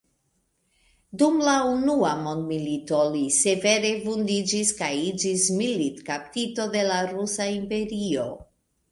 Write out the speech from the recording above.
Dum la Unua Mondmilito li severe vundiĝis kaj iĝis militkaptito de la Rusa Imperio.